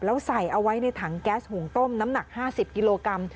แล้วใส่เอาไว้ในถังแก๊สหุงต้มน้ำหนัก๕๐กิโลกรัม